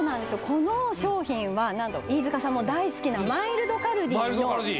この商品は何と飯塚さんも大好きなマイルドカルディのマイルドカルディ？